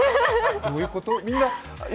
どういうこと？